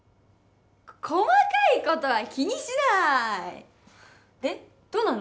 細かいことは気にしないでどうなの？